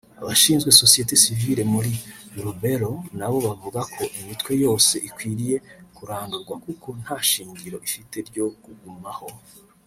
Abashinzwe sosiyete sivile muri Lubero nabo bavuga ko imitwe yose ikwiriye kurandurwa kuko nta shingiro ifite ryo kugumaho